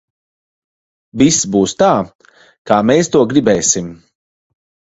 Viss būs tā, kā mēs to gribēsim!